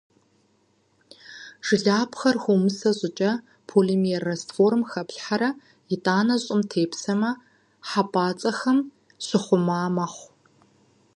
Жылапхъэр хыумысэ щIыкIэ, полимер растворым хэплъхьэрэ, итIанэ щIым тепсэмэ, хьэпIацIэхэм щыхъума мэхъу.